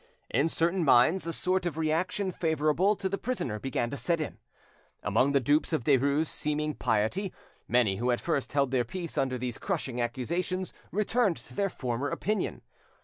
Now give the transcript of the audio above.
In certain minds a sort of reaction favourable to the prisoner began to set in. Among the dupes of Derues' seeming piety, many who at first held their peace under these crushing accusations returned to their former opinion.